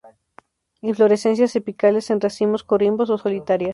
Inflorescencias apicales en racimos, corimbos o solitarias.